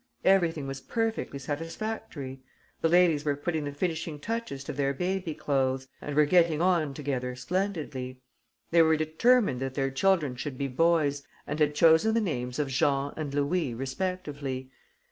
Everything was perfectly satisfactory. The ladies were putting the finishing touches to their baby clothes and were getting on together splendidly. They were determined that their children should be boys and had chosen the names of Jean and Louis respectively....